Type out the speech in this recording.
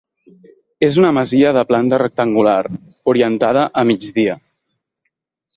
És una masia de planta rectangular, orientada a migdia.